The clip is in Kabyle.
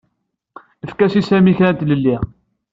Efk-as i Sami kra n tlelli.